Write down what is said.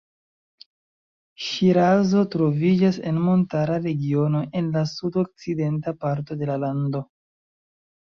Ŝirazo troviĝas en montara regiono en la sud-okcidenta parto de la lando.